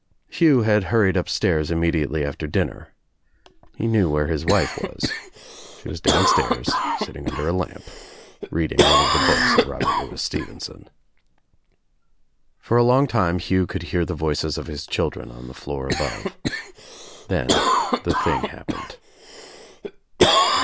Hugh had hurried upstairs immediately after din _ing. He knew where his wife was. She was down 132 THE TRIUMPH OF THE EGG Stairs, sitting under a lamp, reading one of the books of Robert Louis Stevenson. For a long time Hugh could hear the voices of his children on the floor above. Then the thing hap pened.